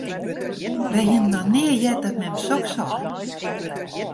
Wy hiene noch nea heard dat mem soks sei.